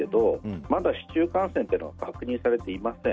まだ市中感染は確認されていません。